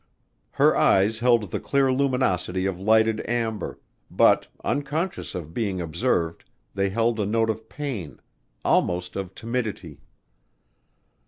Her eyes held the clear luminosity of lighted amber, but, unconscious of being observed, they held a note of pain almost of timidity.